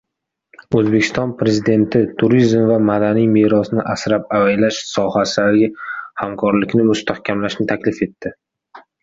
O‘zbekiston Prezidenti turizm va madaniy merosni asrab-avaylash sohasidagi hamkorlikni mustahkamlashni taklif etdi